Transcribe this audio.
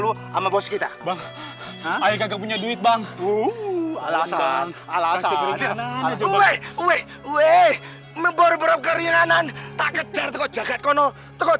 lu ama bos kita bang ayo kaget punya duit bang alasan alasan keringanan kejar jatuh jagat kono